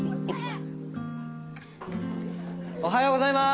おはようございまーす。